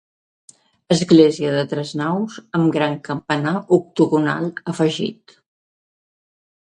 Església de tres naus amb gran campanar octogonal afegit.